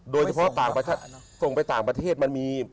โดยเฉพาะส่งไปต่างประเทศมันมี